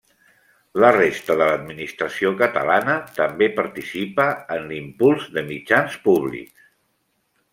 La resta de l’Administració catalana també participa en l’impuls de mitjans públics.